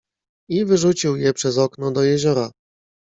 "I wyrzucił je przez okno do jeziora."